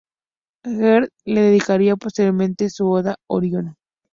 Herder le dedicaría posteriormente su Oda "Orión".